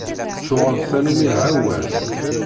Tuɣeḍ tannumi d ɛawaz.